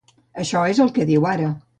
Això és el que diu ara.